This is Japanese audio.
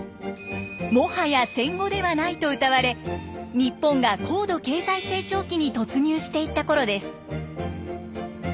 「もはや戦後ではない」とうたわれ日本が高度経済成長期に突入していったころです。